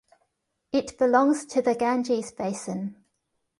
It belongs to the Ganges Basin.